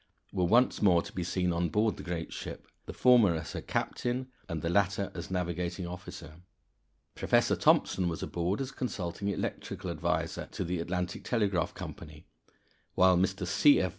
were once more to be seen on board the great ship, the former as her captain, and the latter as navigating officer. Professor Thomson was aboard as consulting electrical adviser to the Atlantic Telegraph Company, while Mr. C. F.